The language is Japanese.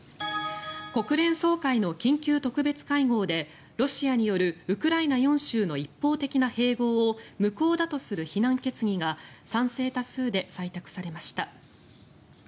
国連総会の緊急特別会合でロシアによるウクライナ４州の一方的な併合を無効だとする非難決議が賛成多数で採択されました。